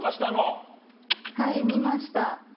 はい、見ました。